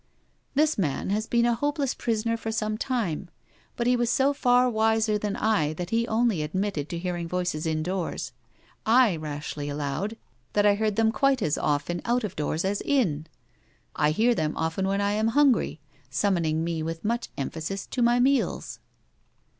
This man has been a hopeless prisoner for some time; but he was so far wiser than I that he only admitted to hearing voices indoors; I rashly allowed that I heard them quite as often out of doors as in. I hear them often when I am hungry, summoning me with much emphasis to my meals.